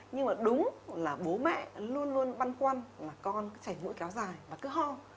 nhưng mà đúng là bố mẹ luôn luôn băn khoăn là con chảy mũi kéo dài và cứ ho